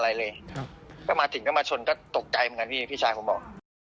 อะไรเลยครับก็มาถึงก็มาชนก็ตกใจเหมือนกันพี่พี่ชายผมบอก